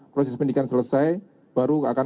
proses pendidikan selesai baru akan